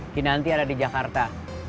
kinanti ada di jakarta